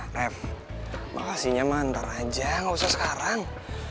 rev makasihnya mah ntar aja gak usah sekarang